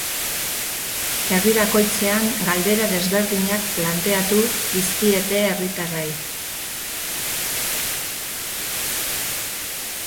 Herri bakoitzean galdera desberdinak planteatu dizkiete herritarrei.